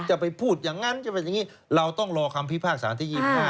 จะไปพูดอย่างนั้นจะเป็นอย่างนี้เราต้องรอคำพิพากษาที่๒๕